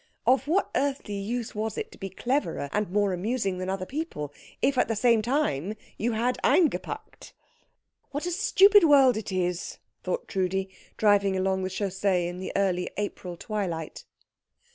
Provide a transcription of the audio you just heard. Of what earthly use was it to be cleverer and more amusing than other people if at the same time you had eingepackt? "What a stupid world it is," thought Trudi, driving along the chaussée in the early April twilight.